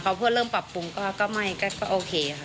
เขาเพื่อเริ่มปรับปรุงก็ไม่ก็โอเคค่ะ